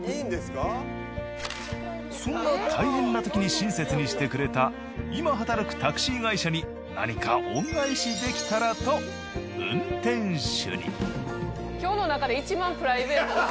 そんな大変な時に親切にしてくれた今働くタクシー会社に何か恩返しできたらと運転手に。